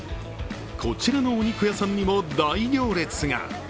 こちらのお肉屋さんにも大行列が。